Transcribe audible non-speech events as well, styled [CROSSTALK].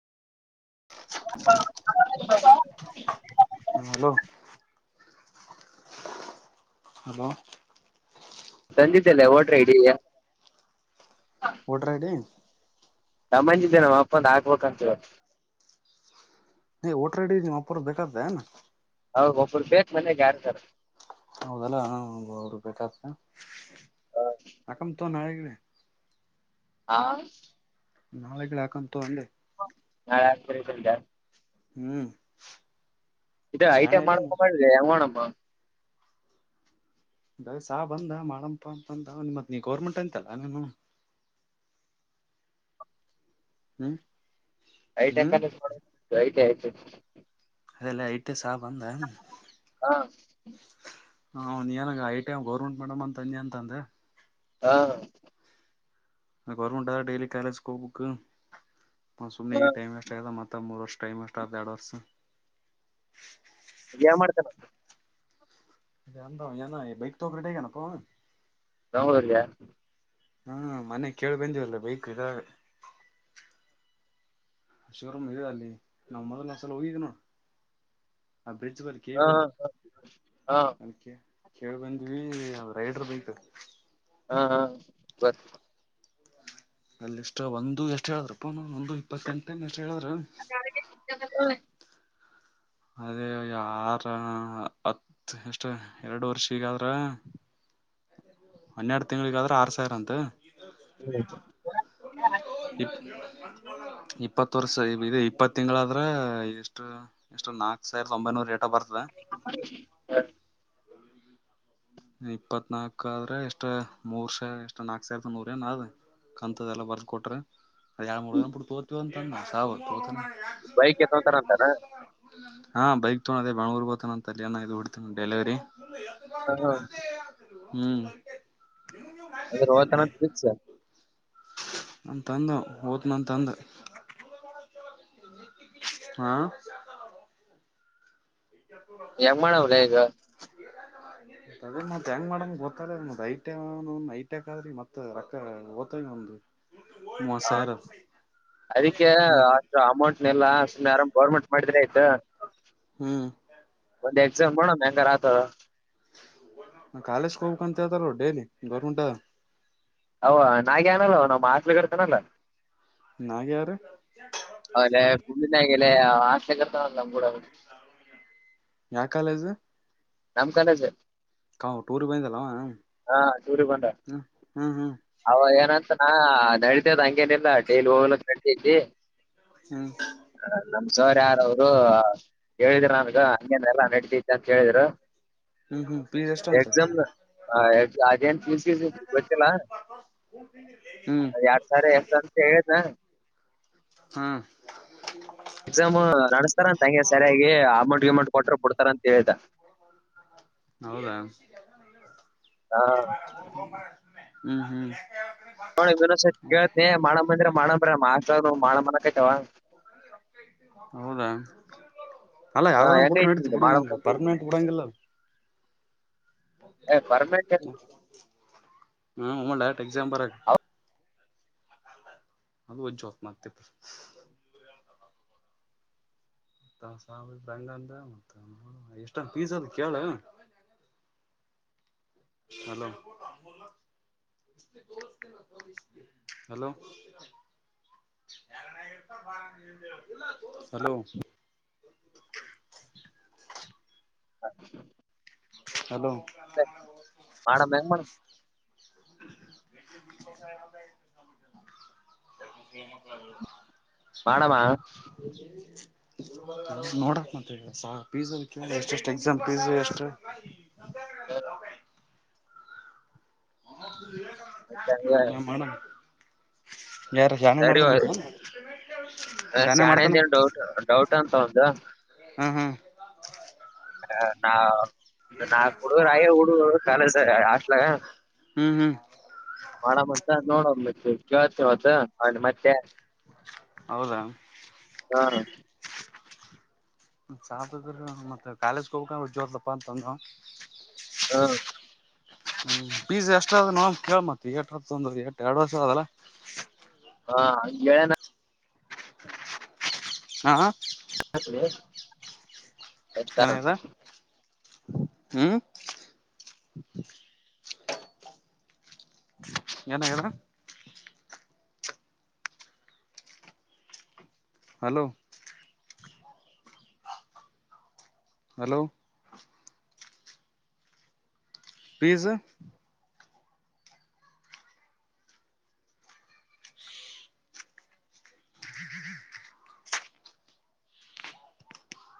ಹ ಹಾ hello hello ತಂದಿದ್ದಲ್ಲ ವೋಟ್ ಐಡಿ ವೋಟರ್ ಐಡಿ ಸಮಮ್ಮಂಜಿದ್ದೆ ನಮ್ಮವು ಅಪ್ಪಂದ ಹಾಕ್ಬೇಕುಂತ ಹೇಳಿ ವೋಟರ್ ಐಡಿ ನಿಮ್ ಅಪ್ಪರ್ ಬೇಕಾಗುತ್ತೆ ಏನ್ ಹೌದ ಒಬ್ಬರು ಬೇಕ್ ಮನ್ಯಗೆ ಯಾರಾರ ಹೌದಲ್ಲ ಅವರು ಬೇಕಾಗತ ಅಕಮ್ ತಗೋ ನಾಳಿಗೆ ಹಾ ನಾಳೆಗಳು ಹಕಮ್ ತಗೋ ಅಂದೆ ನಾಳೆ ಆ ಸರಿತ ಹೂ ಇದೆ ಐಟಂ ಮಾಡ ಹೆಂಗ್ ಮಾಡಣಮ್ಮ ದ ಸಹ ಬಂದ ಮಾಡಪ ಅಂತ ಬಂದ ಮತ್ ನೀ ಗೌರ್ಮೆಂಟ್ ಅಂತಲ್ಲ ನಿನ್ನ ಹೂ ಐ ಟೆ ನೋಡ ಐಟ ಆಯ್ತು ಅದೆಲ್ಲ ಐಟ ಸಾಹ ಬಂದ ಹಾ ಹನ್ ಏನಾಗ ಐಟಿ್ ಗೌರ್ಮೆಂಟ್ ಮೇಡಮ್ ಅಂತ ತಂದಿ ಅಂತ ಅಂದೆ ಹಾ ಹ ಅದು ಗೋವರ್ಮೆಂಟ್ ಡೈಲಿ ಕಾಲೇಜ್ಗೆ ಹೋಗ್ಬೇಕು ಸುಮ್ಮನೆ ಹಾ ಈಗ ಟೈಮ್ ವೇಸ್ಟ್ ಅಷ್ಟದ ಮತ್ತ ಮೂರ್ ವರ್ಷ ಟೈಮ್ ಇಷ್ಟ ಅ ಎರಡು ವರ್ಷ ಇನ್ ಎನ್ ಮಾಡ್ತಾ ಇಗ ಇ ಅಂದಏ ಬೈಕ್ ತಗ್ರಿೇಗ ನಕ ಬೆಂಗಳೂರುಲ್ಲಿಯಾ ಹ್ಮ ಮನೆ ಕೇಳಿ ಬಂದಿವವಲ್ಲ ಬೈಕ್ ಇದಾಗ ಶೋರೂಮ್ ಇದೆ ಅಲ್ಲಿ ನಾವ್ ಮೊದ್ ಒಂದ್ಸಲ ಹೋಗಿದ ನೋಡು ಆ ಬ್ರಿಡ್ಜ್ ಬಳಿ ಕೇಳಿ ಹಾ ಬನ್ನಿ ಹಾ ಅ ಕೇೇಳ ಬಂದ್ವಿ ರೈಡರ್ ಬೈತ ಹಾ ಹಾ ಬರ್ ಅಲ್ಲಿಷ್ಟು ಒಂದು ಎಷ್ಟು ಹೇಳಿದ್ರಪ್ಪನ ಒಂದು ಇಪ್ಪತ್ತೆಂಟೇ ಎಷ್ಟು ಹೇಳಿದ್ರ [UNINTELLIGIBLE] ಅದೇ ಯಾರ ಹತ್ ಎಷ್ಟ ಎರಡು ವರ್ಷ ಈಗಾದ್ರ ಹನ್ನೆರಡು ತಿಂಗಗಳಿಗಾದ್ರೆ ಆರ್ ಸಾವಿರ ಅಂತ [UNINTELLIGIBLE] ಇಪ್ಪತ್ ವರ್ಷ ಇದು ಇಪ್ಪತ್ತು ತಿಂಗಳಾದ್ರ ಎಷ್ಟು ಎಷ್ಟು ನಾಲ್ಕು ಸಾವಿರದ ಒಂಬೈನೂರ ರೇಟ ಬರ್ತದ ಹ [INAUDIBLE] ಇಪ್ಪತ್ನಾಾಲ್ಕು ಆದ್ರೆ ಎಷ್ಟ್ ಮೂರ್ ಸ ಎಷ್ಟ್ ನಾಕು ಸಾವಿರದ ನೂರ ಏನ್ ಕಂತದೆ ಎಲ್ಲ ಬರ್ದ್ ಕೊಟ್ರೆ ಅ ಯಳ ಮೂರು ವ ಪುಡ ತತ ಅಂತ ಸಾವ ತೋತ ಬೈಕ್ ಎತ್ತೊಂತಾರ ಅಂತಾನ ಹಾ ಬೈಕ್ ತಗೋದ ಬಂಗಗಳೂರ್ಗತಾನ ಅಂತ ಅಲ್ಲಿನ ಇದ್ ಬಿಡ್ತೇನ ಡೆಲಿವರಿ ಇ ಹಾ ಹಾ ಹ ಅದ್ರ ಹೋತಾನ ಫಿಕ್ಸ್ ನನ್ ತಂದ ಹಓದ ನನ್ ತಂದ ಹಾ ಯಪ್ಪ ಯಮ್ಮಣ್ಣ ಅವ್ರ ಈಗ [UNINTELLIGIBLE] ತಗೊಂಡ್ ಮತ್ತತ್ ಹೆಂಗ ಮಾಡಂಗ ಗೊತ್ತದ್ದ್ ಐಟ ಐಟಕ್ ಆದ್ರಿ ಮತ್ ರೊಕ್ಕ ಓ್ತ ನಮ್ದ್ ಹಾ ಅದಕ್ಕೆ ಹ್ಮ್ ಅಮೌಂಟ್ನೆಲ್ಲ ಸು್ನೆ ಆರಾಮ್ ಗೌರ್ಮೆಂಟ್ ಮಾಡಿದ್ರ ಆಯ್ತು ಹ್ಮ್ ಒಂದ್ ಎಕ್ಸಾಮ್ ಮಾಡೋಣ ಹೆಂಗಾರ ಆತಾರ ಕಾಲೇ್ ಹೋಗ್ಬೇಕಕ್ ಅಂತ ಹೇತಾರ ಡೇಲಿ ಗೌರ್ಮೆಂಟ ಅವ ನಾಗ ಏನಲ್ಲ ಅವ ನಮ್ಮ ಆತ್ಲಿ ಕಡ್ತಾನಲ್ಲ ನಾಗ್ಯಾ ಯಾರು ಹುಂಡಿನಾಗೆಲ್ಲ ಆಸೆಗರ್ತ ನ ಕೂಡ ಯಾವ ಕಾಲೇಜ ನಮ ಕಾಲೇಜ್ ಕಾ ೂರಿ ಬಿಂದಲ್ಲವಾ ಹಾ ಸುರಿ ಬಂದನು ಅವ ಏನಂತ ನ ನಡತದ್ ಹಂಗೇನಿಲ್ಲ ಡೈಲಿ ಹೋಗ್ಲಕ್ಕೆ ನಡತಿ ಹ್ಮ್ ಹ ನಮ ಸಾರ್ ಯಾರ ಅವರು ಹೇಳಿದ್ರ ನನ್ಗ ಹಂಗೇನ್ ಎಲ್ಲಾ ನಡತಿತಿ ಅಂತ ಹೇಳಿದ್ರು ಹ್ಮ್ ಹ್ಮ್ ಫೀ ಎಷ್ಟುಂತಂತ ಹ ಎ ಅದೇನ್ ಗೊತ್ತಿಲ್ಲ ಹ್ಮ್ ಎರಡ್ ಸಾರ್ ಎ ಸ [UNINTELLIGIBLE] ಮ ಹೇಳತಾ ಹಾ ಎಕ್ಸಾಮ್ ನಡಸ್ತಾರಂತ ಹಂಗೆ ಸರಿಯಾಗಿ ಅಮೌಂಟ್ ಗಿಮೌಂಟ್ ಕೊಟ್ರರು ಬಿಡ್ತಾರ ಅಂತ ಹೇಳ್ದ. ಹೌದಾ ಹ್ಮ್ ಹ್ಮ್ ವಿೋಸ ಕ ಮಾಣ ಮಂದಿರ ಮಾಣಂದ ಮಾರಾಷ್ಟ್ರ ಮಾಣ ಮರ ಕ [UNINTELLIGIBLE] ಹೌದಾ ಅಲ್ಲ ಯಾವಾರ್ ಬಿುಟ್ರ ಹೆಂಗೈತಿ ನಡತಿ ನಿಮ್ದು ಮಾಡ್ಬೇಕಂತ ಬಿಡು ಪರ್ಮನೆಂಟ್ ಕೊಡಂಗಿಲ್ಲ ಏ್ರ್ರಮೇ ಹ ಒಮ್ಮಳ ಎಕ್ಸಾಮ್ ಬರಕ್ ಹೌ ಅದು ಒಜ್ತ್ ಮಾಡ ಆಗ್ತತ್ರಿ ಸಾವ ರಂಗಂದ ಮತ್ತ ಎಷ್ಟಂದ ಪೀಸ ಅದು ಕೇಳ ಹಲೋ ಹಲೋ ಹಲೋ ಹಾ ಹಲೋ ಮಾಡಡ ಮ ಮಾಡ [UNINTELLIGIBLE] [UNINTELLIGIBLE] [INAUDIBLE] ಮಾಡಡಮ್ಮ ಹ [UNINTELLIGIBLE] ನೋಡಕ್ ಮಂತ ಪಿಳ ಎಷ್ಟ ಎಷ್ಟ ಎಕ್ಸಾಮ್ ಪೀ ಎಷ್ಟು [UNINTELLIGIBLE] ಹ ಯ ನ ಮೇಡ [UNINTELLIGIBLE] ಯಾರ ಜಾನೆ ಮಾಡ್ದಾರಂತ ಅ ಶಾಣೆಂದೇ ಡೌಟ್ ಡೌಟ್ ಅಂತ ಒಂದು ಹ್ಮ ಹ್ಮ್ ಹ ನಾ [UNINTELLIGIBLE] ನಾ ಹಡುರು ಆಯ ಹಡು ಕಾಲ ಸ ಆಟ್ಲ ಹ್ಮ್ ಹ್ಮ್ ಮಾಡ್ಂತ ನೋಡ ಕವತ್ ಕವತ್ತು ಅ ಮತ್ತೆ ಹೌದಾ ಹಾ ಸಾಪದ್ರರು ಮತ್ತ ಕಾಲೇಜ್ಗೆ ಹೋಗ ಉಜ್ವರ್ತಪ್ಪ ಅಂತಂದ ಹಾ ಹ್ಮ್ ಬೀಜ ಎಷ್ಟ ಅದ ನ ಕೇಳ ಮತ್ತತ್ ಎಏಟ್ರ ತೊಂದ್ರ ಎಷ್ಟ ಎರಡ್ ವರ್ಷದ ಅದಲ್ಲಾ ಹಾ ಹೇಳ ಹಾ ಹತ್ ನನದ ಹ್ಮ್ [UNINTELLIGIBLE] ಏನಾಗಾರ [UNINTELLIGIBLE] ಹಲೋ ಹಲೋ ಪೀಝ